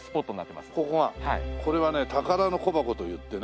これはね宝の小箱といってね。